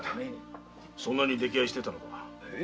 そんなに溺愛してたのか。